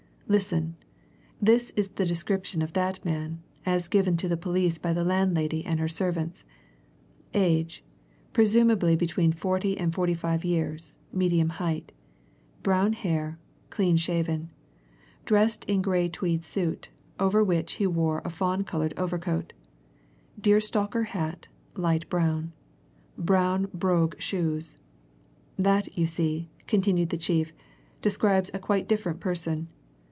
"Listen this is the description of that man, as given to the police by the landlady and her servants: 'Age, presumably between forty and forty five years, medium height. Brown hair. Clean shaven. Dressed in grey tweed suit, over which he wore a fawn coloured overcoat. Deerstalker hat light brown. Brown brogue shoes.' That, you see," continued the chief, "describes a quite different person.